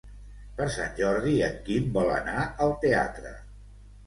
Per Sant Jordi en Quim vol anar al teatre.